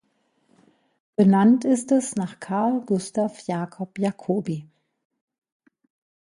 Benannt ist es nach Carl Gustav Jacob Jacobi.